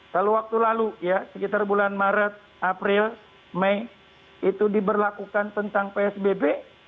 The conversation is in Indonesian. kalau waktu lalu ya sekitar bulan maret april mei itu diberlakukan tentang psbb